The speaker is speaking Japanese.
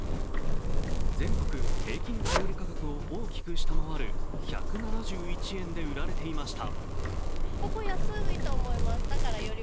全国平均小売価格を大きく下回る１７１円で売られていました。